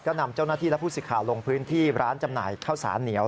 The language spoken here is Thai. ก็นำเจ้าหน้าที่และผู้สิทธิ์ลงพื้นที่ร้านจำหน่ายข้าวสารเหนียว